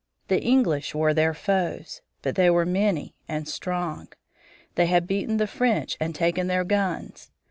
The English were their foes. But they were many and strong. They had beaten the French and taken their guns.